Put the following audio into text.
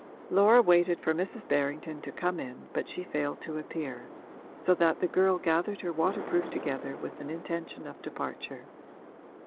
Laura waited for Mrs. Berrington to come in but she failed to appear, so that the girl gathered her waterproof together with an intention of departure.